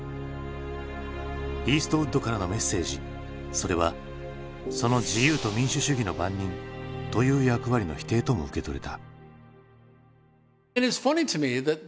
イーストウッドからのメッセージそれはその「自由と民主主義の番人」という役割の否定とも受け取れた。